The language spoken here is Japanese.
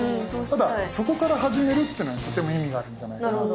ただそこから始めるっていうのがとても意味があるんじゃないかなと。